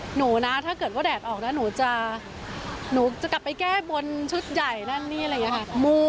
หนูนะถ้าเกิดว่าแดดออกนะหนูจะกลับไปแก้บนชุดใหญ่นั่นนี่เลยค่ะ